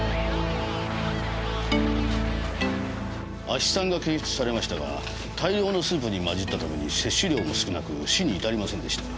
亜ヒ酸が検出されましたが大量のスープに混じったために摂取量も少なく死に至りませんでした。